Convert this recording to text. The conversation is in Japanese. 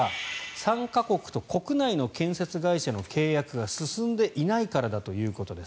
参加国と国内の建設会社の契約が進んでいないからということです。